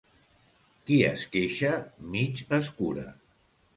Qui es queixa mig es cura.